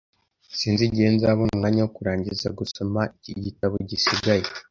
Sinzi igihe nzabona umwanya wo kurangiza gusoma iki gitabo gisigaye